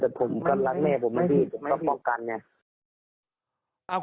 แต่ผมกำลังแม่ผมมาทีกินมันความมองกันไงแล้ว